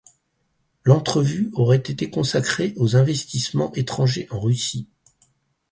L'entrevue aurait été consacrée aux investissements étrangers en Russie.